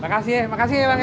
makasih ya makasih bang ya